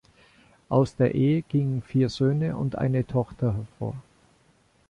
Aus der Ehe gingen vier Söhne und eine Tochter hervor.